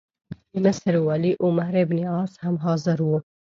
د مصر والي عمروبن عاص هم حاضر وو.